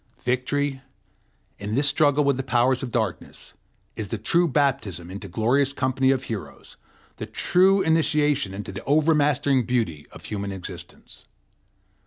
Victory, in this struggle with the powers of darkness, is the true baptism into the glorious company of heroes, the true initiation into the overmastering beauty of human existence.